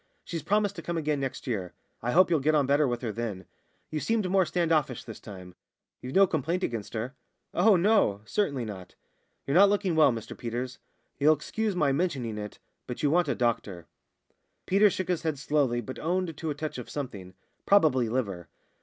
She's promised to come again next year. I hope you'll get on better with her then. You seemed more stand offish this time you've no complaint against her?" "Oh, no! certainly not." "You're not looking well, Mr Peters. You'll excuse my mentioning it, but you want a doctor." Peters shook his head slowly, but owned to a touch of something probably liver.